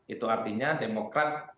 itu artinya demokrat